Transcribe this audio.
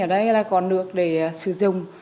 ở đây là có nước để sử dụng